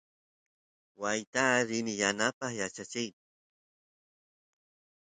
waayta rini yanapaq yachacheq